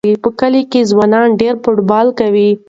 په کلي کې ځوانان ډېر فوټبال کوي.